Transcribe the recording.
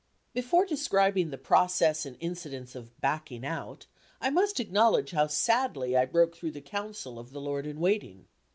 Before describing the process and incidents of "backing out," I must acknowledge how sadly I broke through the counsel of the Lord in Waiting.